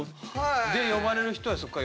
で呼ばれる人はそこから。